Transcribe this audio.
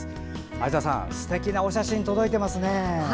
相沢さん、すてきなお写真届いていますね。